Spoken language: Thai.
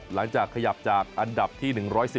หลังจากขยับจากอันดับที่๑๑๒